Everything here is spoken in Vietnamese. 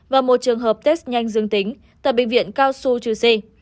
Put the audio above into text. và một trường hợp test nhanh dương tính tại bệnh viện cao su chư sê